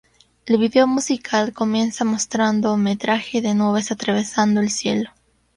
El vídeo musical comienza mostrando un metraje de nubes atravesando el cielo.